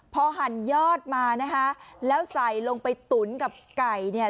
พอหั่นยอดมานะคะแล้วใส่ลงไปตุ๋นกับไก่เนี่ย